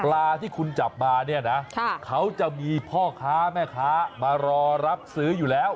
ที่คุณจับมาเนี่ยนะเขาจะมีพ่อค้าแม่ค้ามารอรับซื้ออยู่แล้ว